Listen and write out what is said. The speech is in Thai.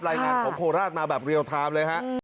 รายงานของโคราชมาแบบเรียลไทม์เลยฮะ